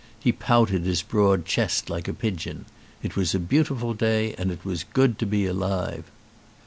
He pouted his broad chest like a pigeon. It was a beautiful day, and it was good to be alive.